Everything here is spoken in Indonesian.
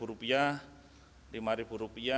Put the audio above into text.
kemudian rp lima